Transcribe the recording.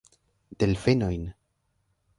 Delfenojn!